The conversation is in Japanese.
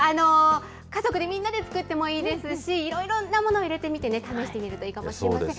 家族みんなで作ってもいいですし、いろいろなものを入れてみてね、試してみるといいかもしれません。